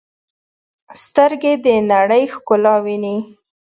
سترګې د نړۍ ښکلا ویني.